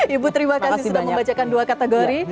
ibu terima kasih sudah membacakan dua kategori